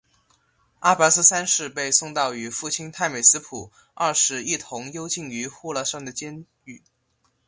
阿拔斯三世被送到与父亲太美斯普二世一同幽禁于呼罗珊的监狱。